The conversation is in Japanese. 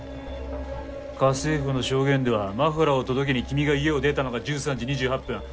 家政婦の証言ではマフラーを届けに君が家を出たのが１３時２８分。